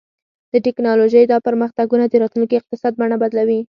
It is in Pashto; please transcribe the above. د ټیکنالوژۍ دا پرمختګونه د راتلونکي اقتصاد بڼه بدلوي.